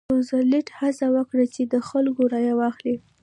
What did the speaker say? روزولټ هڅه وکړه چې د خلکو رایه واخلي.